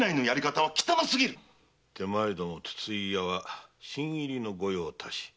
手前ども筒井屋は新入りの御用達。